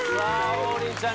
王林ちゃん